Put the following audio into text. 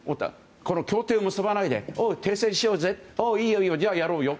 この協定を結ばないでおい、停戦しようぜおお、いいよじゃあ、やろうよ。